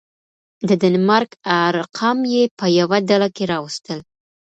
د دنمارک ارقام يې په يوه ډله کي راوستل.